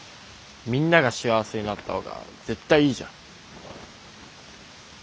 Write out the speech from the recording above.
みんなが幸せになった方が絶対いいじゃん。